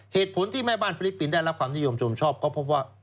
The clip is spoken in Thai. เหตุผลที่แม่บ้านฟิลิปปินส์ได้รับความนิยมชมชอบก็พบว่า